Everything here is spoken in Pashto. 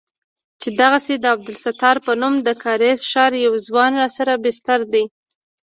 چې دغسې د عبدالستار په نوم د کارېز ښار يو ځوان راسره بستر دى.